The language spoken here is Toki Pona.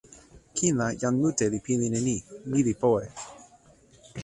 kin la jan mute li pilin e ni: ni li powe.